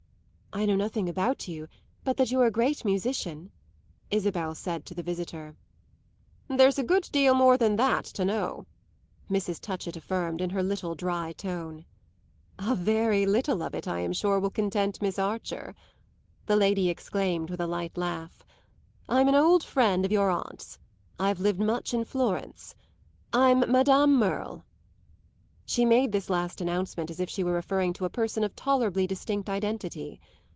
"I know nothing about you but that you're a great musician," Isabel said to the visitor. "There's a good deal more than that to know," Mrs. Touchett affirmed in her little dry tone. "A very little of it, I am sure, will content Miss Archer!" the lady exclaimed with a light laugh. "I'm an old friend of your aunt's. I've lived much in Florence. I'm Madame Merle." She made this last announcement as if she were referring to a person of tolerably distinct identity.